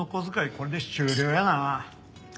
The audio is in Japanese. これで終了やな。